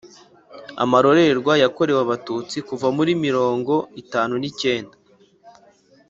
amarorerwe yakorewe abatutsi kuva muri mirongo itanu n’icyenda